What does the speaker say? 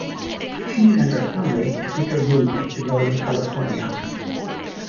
She and her family later moved to Northern California.